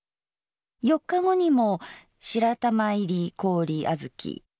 ４日後にも「白玉入り氷あづき」。